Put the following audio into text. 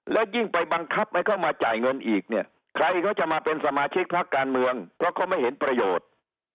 และยิ่งไปบังคับให้เขามาจ่ายเงินอีกเนี่ยใครเขาจะมาเป็นสมาชิกพักการเมืองเพราะเขาไม่เห็นประโยชน์